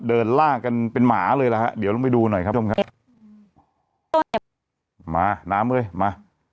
เดินล่ากันเป็นหมาเลยครับเดี๋ยวลำไปดูหน่อยครับทุ่มมาน้ำเลยมา